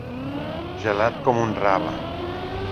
Gelat com un rave.